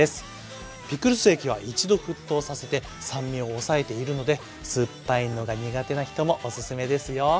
ピクルス液は一度沸騰させて酸味を抑えているのですっぱいのが苦手な人もオススメですよ。